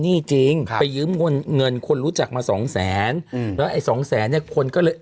หนี้จริงครับไปยืมเงินเงินคนรู้จักมาสองแสนอืมแล้วไอ้สองแสนเนี้ยคนก็เลย